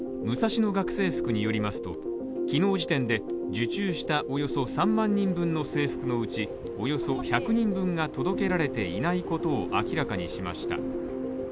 ムサシノ学生服によりますと、昨日時点で受注したおよそ３万人分の制服のうちおよそ１００人分が届けられていないことを明らかにしました。